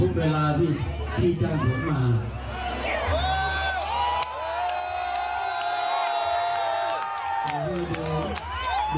กลับไทยก็จะเลิกเร็ว